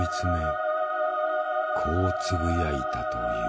こうつぶやいたという。